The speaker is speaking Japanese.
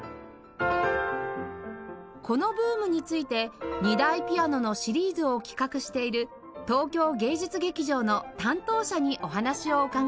このブームについて２台ピアノのシリーズを企画している東京芸術劇場の担当者にお話を伺いました